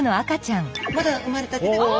まだ生まれたてで。